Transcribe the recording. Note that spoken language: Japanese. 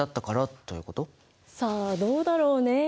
さあどうだろうね？